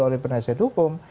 oleh penelitian hukum